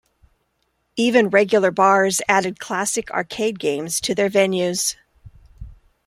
Even regular bars added classic arcade games to their venues.